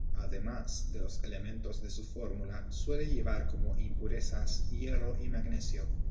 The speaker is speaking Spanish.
Además de los elementos de su fórmula, suele llevar como impurezas: hierro y magnesio.